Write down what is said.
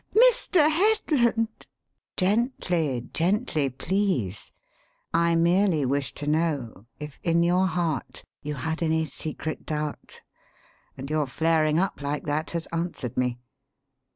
"Mr. Headland!" "Gently, gently, please! I merely wished to know if in your heart you had any secret doubt; and your flaring up like that has answered me.